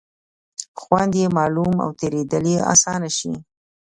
خوند یې معلوم او تېرېدل یې آسانه شي.